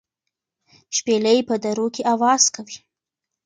شپېلۍ په درو کې اواز کوي.